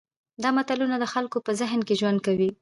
دا ملتونه د خلکو په ذهن کې ژوند کوي.